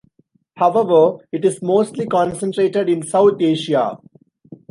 However, it is mostly concentrated in South Asia.